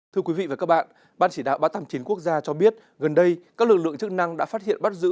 thưa quý vị và các bạn ban chỉ đạo ba trăm tám mươi chín quốc gia cho biết gần đây các lực lượng chức năng đã phát hiện bắt giữ